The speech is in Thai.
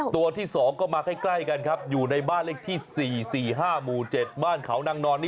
ตัวสอง